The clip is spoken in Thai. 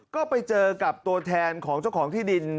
ก็ไปเจอกับตัวแทนของเจ้าของที่ดิน